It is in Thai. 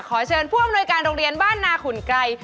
ขอเชิญผู้อำนวยการโรงเรียนบ้านนาขุนไกร